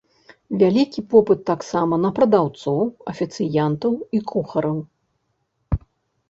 Вялікі попыт таксама на прадаўцоў, афіцыянтаў і кухараў.